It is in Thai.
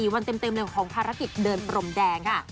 วันเต็มเลยของภารกิจเดินพรมแดงค่ะ